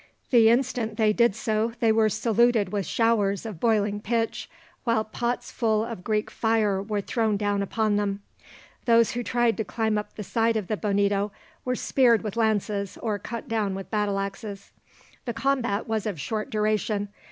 The instant they did so they were saluted with showers of boiling pitch, while pots full of Greek fire were thrown down upon them. Those who tried to climb up the side of the Bonito were speared with lances or cut down with battleaxes. The combat was of short duration.